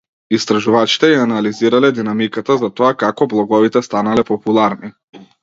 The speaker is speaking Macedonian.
Истражувачите ја анализирале динамиката за тоа како блоговите станале популарни.